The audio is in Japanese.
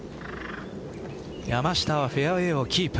山下はフェアウエーをキープ。